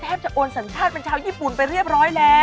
จะโอนสัญชาติเป็นชาวญี่ปุ่นไปเรียบร้อยแล้ว